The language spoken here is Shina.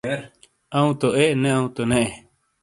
اَوں تو اے نے اَوں تو نے اے۔